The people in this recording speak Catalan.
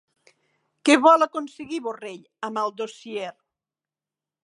Què vol aconseguir Borrell amb el dossier?